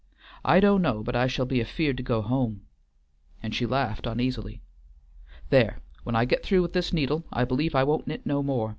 I do' know but I shall be afeared to go home," and she laughed uneasily. "There! when I get through with this needle I believe I won't knit no more.